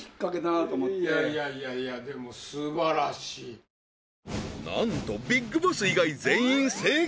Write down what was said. いやいやいやいやでもすばらしいなんとビッグボス以外全員正解